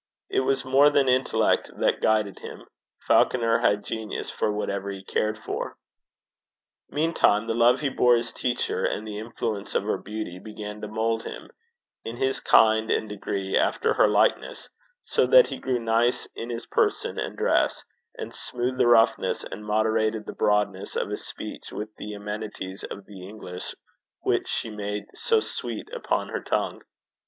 It was more than intellect that guided him: Falconer had genius for whatever he cared for. Meantime the love he bore his teacher, and the influence of her beauty, began to mould him, in his kind and degree, after her likeness, so that he grew nice in his person and dress, and smoothed the roughness and moderated the broadness of his speech with the amenities of the English which she made so sweet upon her tongue.